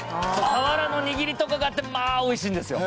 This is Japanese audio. さわらの握りとかがあってまあおいしいんですよ